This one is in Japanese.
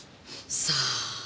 さあ。